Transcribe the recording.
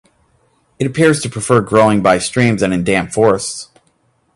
It appears to prefer growing by streams and in damp forests.